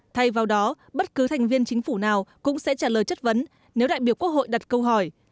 thay vào đó bất cứ thành viên chính phủ nào cũng sẽ trả lời chất vấn nếu đại biểu quốc hội đặt câu hỏi